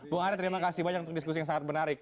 bu ari terima kasih banyak untuk diskusi yang sangat menarik